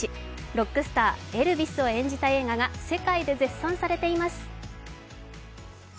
ロックスター、エルヴィスを演じた映画が世界で絶賛されています。